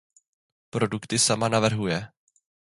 Produkty sama navrhuje.